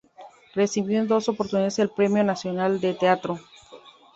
Recibió en dos oportunidades el Premio Nacional de Teatro.